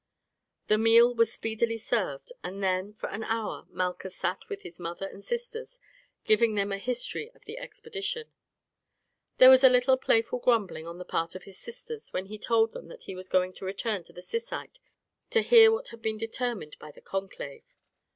The meal was speedily served, and then for an hour Malchus sat with his mother and sisters, giving them a history of the expedition. There was a little playful grumbling on the part of his sisters when he told them that he was going to return to the Syssite to hear what had been determined by the conclave.